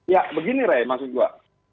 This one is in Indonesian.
ya begini rey maksud mbak